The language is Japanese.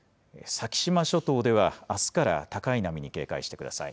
先島諸島ではあすから高い波に警戒してください。